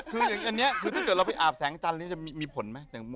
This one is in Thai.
คืออย่างนี้คือถ้าเกิดเราไปอาบแสงจันทร์นี้จะมีผลไหม